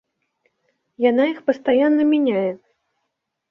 Яна іх пастаянна мяняе.